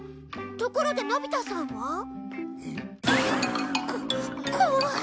ところでのび太さんは？えっ？こ怖い。